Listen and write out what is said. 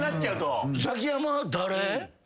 ザキヤマ誰？